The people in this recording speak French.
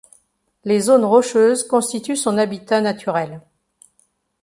Les zones rocheuses constituent son habitat naturel.